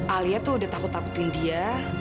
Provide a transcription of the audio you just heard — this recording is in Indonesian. alia tuh udah takut takutin dia